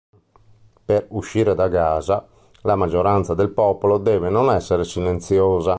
Per uscire da Gaza, la maggioranza del popolo deve non essere silenziosa.